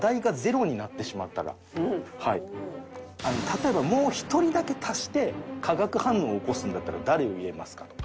例えばもう一人だけ足して科学反応を起こすんだったら誰を入れますかと。